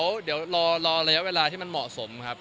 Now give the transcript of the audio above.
เดี๋ยวรอระยะเวลาที่มันเหมาะสมครับ